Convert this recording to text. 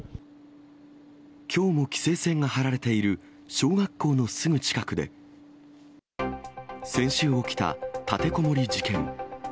きょうも規制線が張られている小学校のすぐ近くで、先週起きた、立てこもり事件。